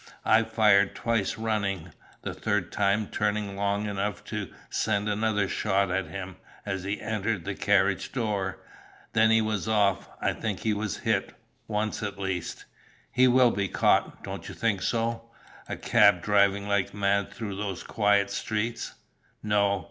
I fired twice running, the third time turning long enough to send another shot at him as he entered the carriage door. Then he was off. I think he was hit, once at least." "He will be caught, don't you think so? A cab driving like mad through those quiet streets?" "No.